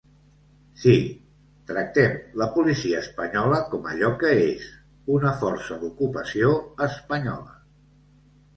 Sí, tractem la policia espanyola com allò que és: una força d’ocupació espanyola.